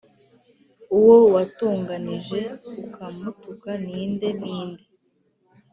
Uwo watonganije ukamutuka ni nde Ni nde